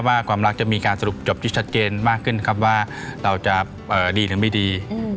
ความรักจะมีการสรุปจบที่ชัดเจนมากขึ้นครับว่าเราจะดีหรือไม่ดี